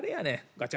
ガチャ。